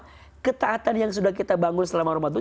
karena ketaatan yang sudah kita bangun selama ramadan itu